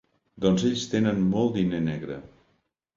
Doncs ells tenen molt diner negre.